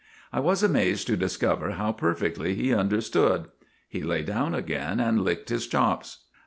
" I was amazed to discover how perfectly he understood. He lay down again and licked his chops.